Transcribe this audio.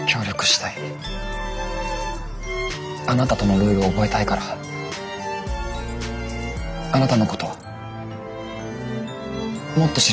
あなたとのルール覚えたいからあなたのこともっと知りたいです。